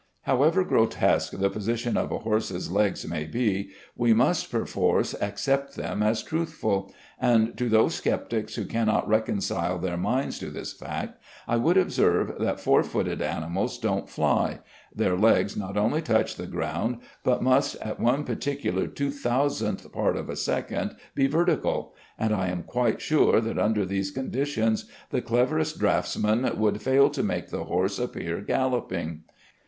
However grotesque the position of a horse's legs may be, we must (per force) accept them as truthful, and to those sceptics who cannot reconcile their minds to this fact, I would observe that four footed animals don't fly; their legs not only touch the ground, but must at one particular 2000th part of a second be vertical, and I am quite sure that under these conditions the cleverest draughtsman would fail to make the horse appear galloping.